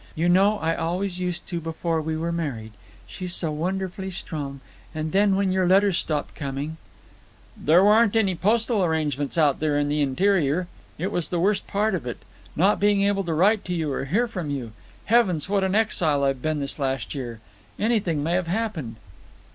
You know I always used to before we were married. She's so wonderfully strong. And then when your letters stopped coming——" "There aren't any postal arrangements out there in the interior. It was the worst part of it—not being able to write to you or hear from you. Heavens, what an exile I've been this last year! Anything may have happened!"